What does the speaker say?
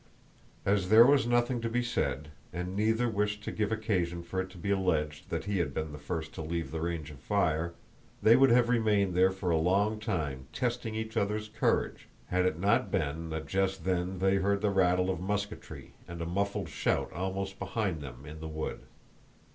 As there was nothing to be said, and neither wished to give occasion for it to be alleged that he had been the first to leave the range of fire, they would have remained there for a long time testing each other's courage had it not been that just then they heard the rattle of musketry and a muffled shout almost behind them in the wood.